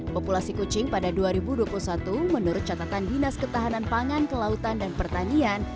populasi kucing pada dua ribu dua puluh satu menurut catatan dinas ketahanan pangan kelautan dan pertanian